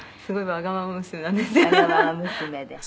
「わがまま娘で」